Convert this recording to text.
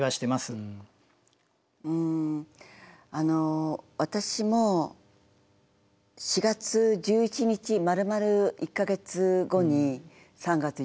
うんあの私も４月１１日まるまる１か月後に３月１１日から。